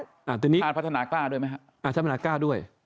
ฝันท้านพัฒนากล้าด้วยไหมครับ